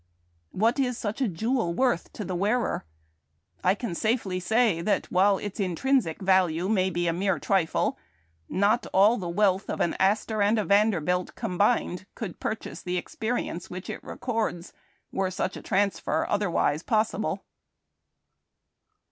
What is such a jewel worth to the wearer? I can safely say that, while its intrinsic value may be a mere trifle, not all the wealth of an Astor and a Van derbilt combined could purchase the experience which it records, were such a transfer otherwise possible.